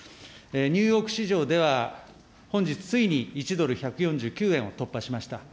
ニューヨーク市場では本日ついに１ドル１４９円を突破しました。